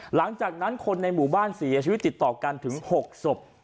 หลังจากนั้นคนในหมู่บ้านเสียชีวิตติดต่อกันถึง๖ศพ